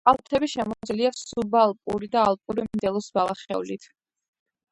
კალთები შემოსილია სუბალპური და ალპური მდელოს ბალახეულით.